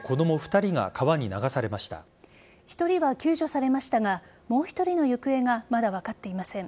１人は救助されましたがもう１人の行方がまだ分かっていません。